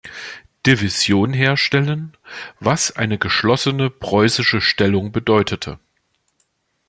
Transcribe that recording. Division herstellen, was eine geschlossene preußische Stellung bedeutete.